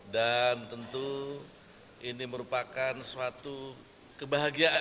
dan tentu ini merupakan suatu kesempatan yang sangat menarik